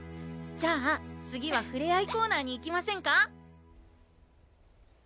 じゃあ次はふれあいコーナーに行きませんか？